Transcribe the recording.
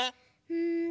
うん！